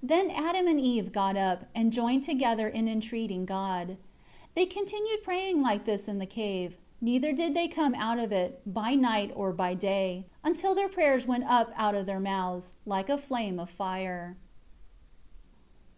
5 Then Adam and Eve got up, and joined together in entreating God. 6 They continued praying like this in the cave; neither did they come out of it, by night or by day, until their prayers went up out of their mouths, like a flame of fire.